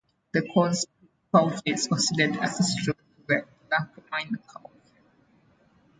The Coles Creek culture is considered ancestral to the Plaquemine culture.